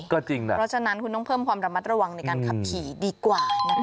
ก็จริงนะคุณต้องเพิ่มความระมัดระวังในการขับขี่ดีกว่านะครับ